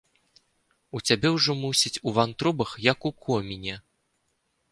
У цябе ўжо, мусіць, у вантробах, як у коміне.